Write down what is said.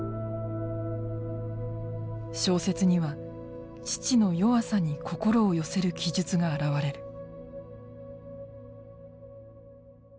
小説には父の弱さに心を寄せる記述が現れる。